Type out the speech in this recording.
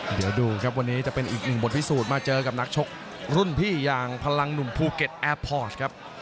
เดี๋ยวดูครับวันนี้จะเป็นอีกหนึ่งบทพิสูจน์มาเจอกับนักชกรุ่นพี่อย่างพลังหนุ่มภูเก็ตแอร์พอร์ชครับ